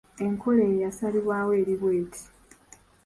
Enkola eyo eyasalibwawo eri bw’eti: